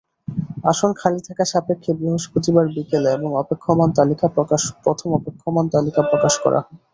আসন খালি থাকা সাপেক্ষে বৃহস্পতিবার বিকেলে প্রথম অপেক্ষমাণ তালিকা প্রকাশ করা হবে।